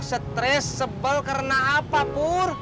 stres sebel karena apa pur